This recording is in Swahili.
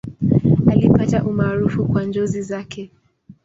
Alipata umaarufu kwa njozi zake.